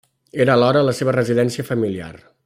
Era alhora la seva residència familiar.